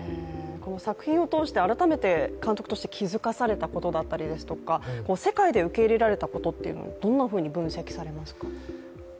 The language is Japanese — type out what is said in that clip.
作品を通して改めて監督として気づかされたことだったりですとか、世界で受け入れられたことをどんなふうに分析されますか？